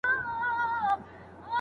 دې تور مارته له خالقه سزا غواړم